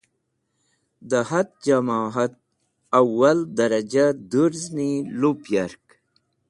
De hath Jama't Awwal Darajah Durzni lup yark